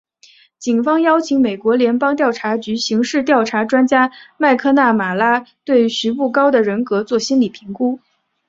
警方邀请美国联邦调查局刑事调查专家麦克纳马拉对徐步高的人格作心理评估。